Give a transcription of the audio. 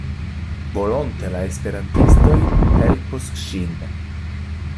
Volonte la esperantistoj helpos ŝin.